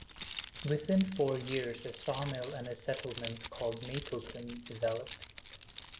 Within four years a sawmill and a settlement called Mapleton developed.